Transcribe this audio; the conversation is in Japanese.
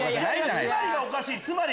「つまり」がおかしい！